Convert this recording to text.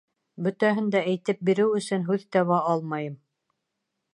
Бөтәһен дә әйтеп биреү өсөн һүҙ таба алмайым.